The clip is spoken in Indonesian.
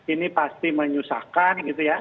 ini pasti menyusahkan gitu ya